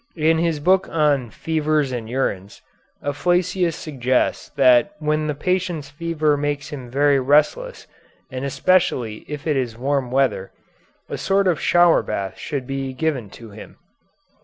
In his book on "Fevers and Urines," Afflacius suggests that when the patient's fever makes him very restless, and especially if it is warm weather, a sort of shower bath should be given to him.